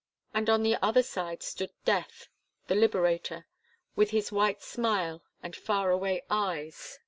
And on the other side stood death, the liberator, with his white smile and far away eyes.